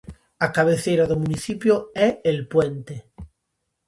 A cabeceira do municipio é El Puente.